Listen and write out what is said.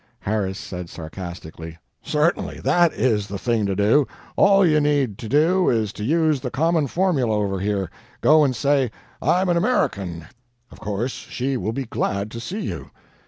Harris said, sarcastically, "Certainly, that is the thing to do. All you need to do is to use the common formula over here: go and say, 'I'm an American!' Of course she will be glad to see you."